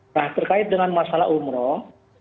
nah terkait dengan masalah umroh